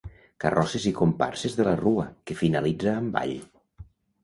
Carrosses i comparses de la Rua, que finalitza amb ball.